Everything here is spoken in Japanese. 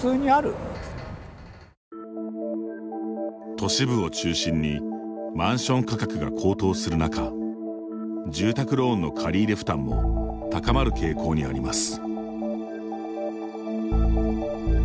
都市部を中心にマンション価格が高騰する中住宅ローンの借り入れ負担も高まる傾向にあります。